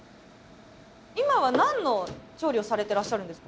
今は何の調理をされてらっしゃるんですか？